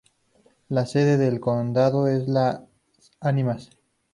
La sede del condado es Las Ánimas.